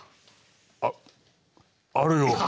ああるよ。